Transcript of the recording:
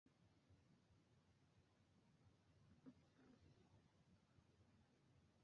এটি dehydrated soup মিশ্রন এবং উপাদান উৎপন্ন করে।